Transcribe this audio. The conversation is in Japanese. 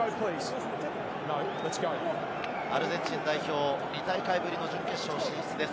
アルゼンチン代表、２大会ぶりの準決勝進出です。